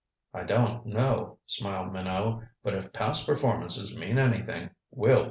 "I don't know," smiled Minot. "But if past performances mean anything, we'll win."